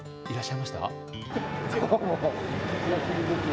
いらっしゃいました？